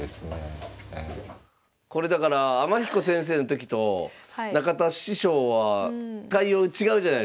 これだから天彦先生の時と中田師匠は対応違うじゃないすか。